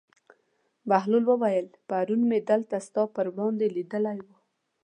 بهلول وویل: پرون مې دلته ستا پر وړاندې لیدلی و.